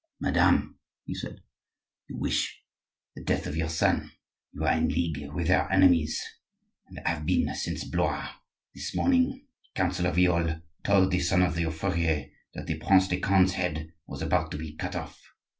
"Madame," he said, "you wish the death of your son; you are in league with our enemies, and have been since Blois. This morning the Counsellor Viole told the son of your furrier that the Prince de Conde's head was about to be cut off.